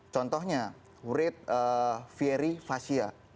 contohnya writ fieri fasia